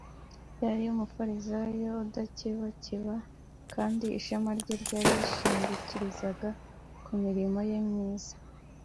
Yari Umufarisayo udakebakeba, kandi ishema rye yarishingikirizaga ku mirimo ye myiza